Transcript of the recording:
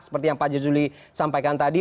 seperti yang pak jazuli sampaikan tadi